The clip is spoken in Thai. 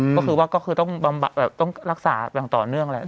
อืมก็คือว่าก็คือต้องบำบัตรแบบต้องรักษาแบ่งต่อเนื่องแหละ